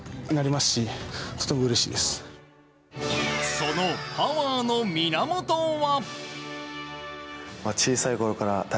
そのパワーの源は。